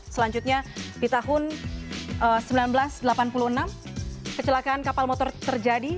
selanjutnya di tahun seribu sembilan ratus delapan puluh enam kecelakaan kapal motor terjadi